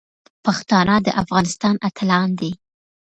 پښتانه د افغانستان اتلان دي.